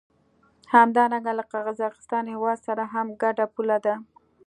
همدارنګه له قزاقستان هېواد سره یې هم ګډه پوله ده.